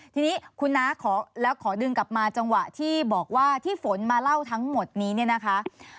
ทีนี้คุณน้าขอแล้วขอดึงกลับมาจังหวะที่บอกว่าที่ฝนมาเล่าทั้งหมดนี้เนี่ยนะคะ